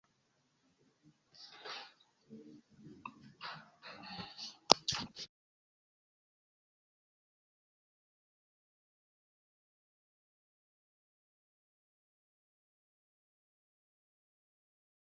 Fraŭlino Klaro kaj fraŭlino Kristino ne povas plenumi la tutan kudradon, kiu estas necesa.